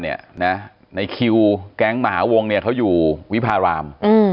ในคิวแก๊งมหาวงเขาอยู่วิพาราม